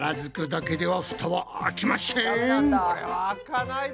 これは開かないだろ。